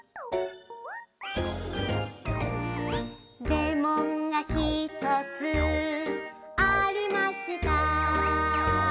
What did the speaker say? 「レモンがひとつありました」